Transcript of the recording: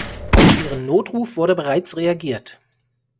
Auf Ihren Notruf wurde bereits reagiert.